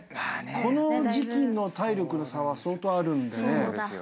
この時期の体力の差は相当あるんでね。